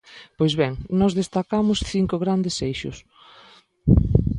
Pois ben, nós destacamos cinco grandes eixos.